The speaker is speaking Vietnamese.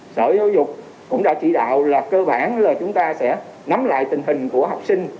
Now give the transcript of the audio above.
sở giáo dục cũng đã chỉ đạo là cơ bản là chúng ta sẽ nắm lại tình hình của học sinh